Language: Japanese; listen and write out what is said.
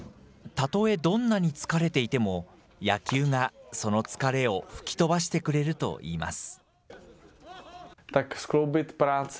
たとえどんなに疲れていても、野球がその疲れを吹き飛ばしてくれるといいます。